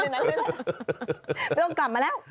ไม่ต้องกลับมาแล้ว